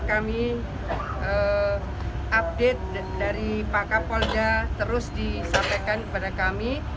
kami update dari pak kapolda terus disampaikan kepada kami